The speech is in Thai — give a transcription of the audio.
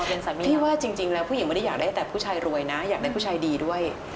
เป็นสามีที่ว่าจริงแล้วผู้หญิงไม่ได้อยากได้แต่ผู้ชายรวยนะอยากได้ผู้ชายดีด้วย